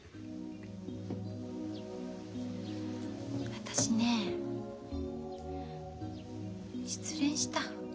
私ね失恋した。